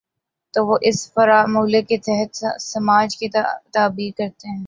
تو وہ اس فارمولے کے تحت سماج کی تعبیر کرتے ہیں۔